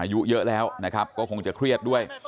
อายุเยอะแล้วนะครับก็คงจะเครียดด้วย